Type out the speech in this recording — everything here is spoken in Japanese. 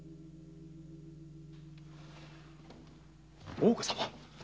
大岡様！